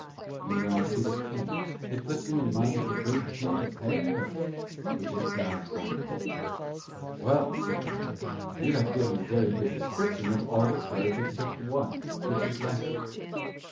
And when I see the King, it puts me in mind of the great King of heaven and earth, which is God Almighty." "Well," said the mayor, "you have given a very good description of all the cards except one, which is lacking."